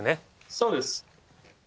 そうです。